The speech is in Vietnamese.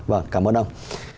vâng cảm ơn ông